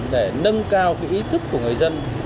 để nâng cao ý thức của người dân